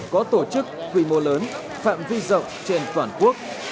có tổ chức quy mô lớn phạm vi rộng trên toàn quốc